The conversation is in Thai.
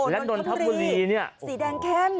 และโดนทัพบุรีนี่สีแดงแข็ง